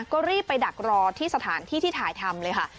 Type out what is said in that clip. ก็รีบไปดักรอที่สถานที่ที่ถ่ายทำเลยค่ะ